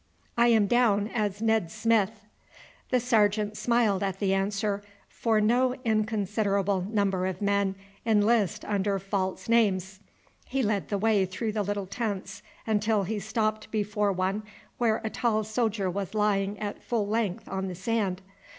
"I am down as Ned Smith." The sergeant smiled at the answer, for no inconsiderable number of men enlist under false names. He led the way through the little tents until he stopped before one where a tall soldier was lying at full length on the sand.